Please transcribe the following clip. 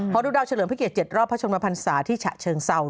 พอดูดาวเฉลิมพระเกียร๗รอบพระชนมพันศาที่ฉะเชิงเศร้า